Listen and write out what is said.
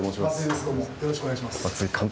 どうもよろしくお願松井監督